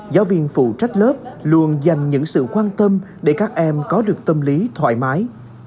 giáo viên phụ trách lớp luôn dành những sự quan tâm để các em có được tâm lý thoải mái